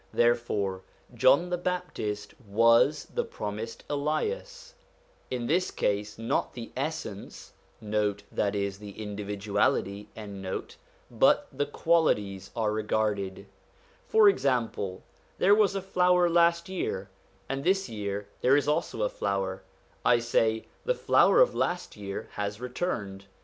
Therefore John the Baptist was the promised Elias. In this case not the essence, 1 but the qualities, are regarded. For example, there was a flower last year, and this year there is also a flower ; I say, the flower of last year has returned.